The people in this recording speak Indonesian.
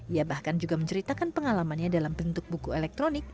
ia bahkan juga menceritakan pengalamannya dalam bentuk buku elektronik